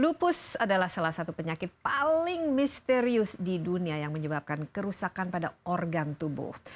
lupus adalah salah satu penyakit paling misterius di dunia yang menyebabkan kerusakan pada organ tubuh